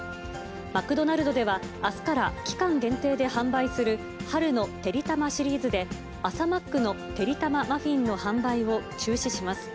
マクドナルドでは、あすから期間限定で販売する春のてりたまシリーズで、朝マックのてりたまマフィンの販売を中止します。